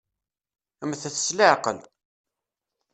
Mmtet s leɛqel!